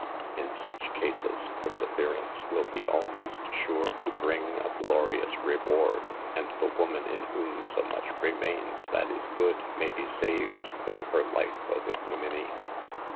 In such cases perseverance will be almost sure to bring a glorious reward, and the woman in whom so much remains that is good, may be saved from her life of ignominy.